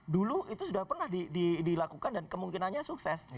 dulu itu sudah pernah dilakukan dan kemungkinannya sukses